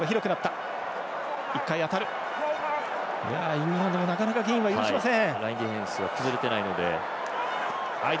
イングランドもなかなかゲインは許しません。